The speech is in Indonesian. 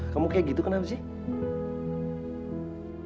kamu kayak gitu kenapa sih